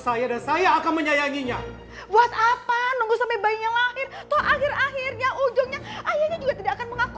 ayahnya akan meninggalkannya